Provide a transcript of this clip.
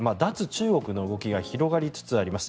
中国の動きが広がりつつあります。